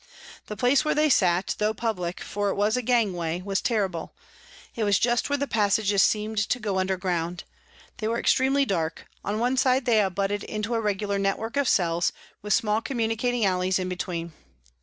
The place where they sat, though public, for it was a gangway, was terrible, it was just where the passages seemed to go underground ; they were extremely dark, on one side they abutted into a regular network of cells, with small communicating alleys in between.